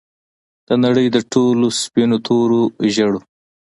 د نړۍ د ټولو سپینو، تورو، زیړو